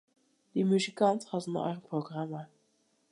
Dy muzikant hat in eigen programma.